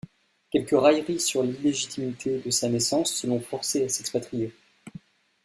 Quelques railleries sur l'illégitimité de sa naissance l'ont forcé à s'expatrier.